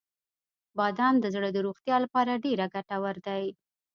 • بادام د زړه د روغتیا لپاره ډیره ګټور دی.